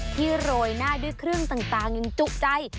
ที่โรยหน้าด้วยเครื่องต่างยังจุ๊บใจ